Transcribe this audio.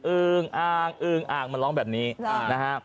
อึงอังเอ่ยมาร้องแบบนี้นะฮะ